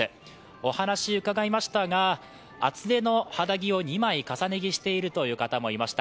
お話を伺いましたが、厚手の肌着を２枚重ね着しているという方もいました。